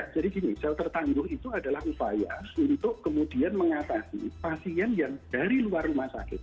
gini shelter tangguh itu adalah upaya untuk kemudian mengatasi pasien yang dari luar rumah sakit